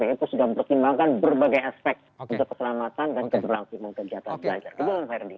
yaitu sudah mempertimbangkan berbagai aspek untuk keselamatan dan keberlangsungan kegiatan belajar